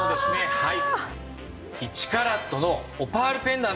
はい。